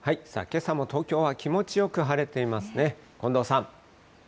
けさも東京は気持ちよく晴れていますね。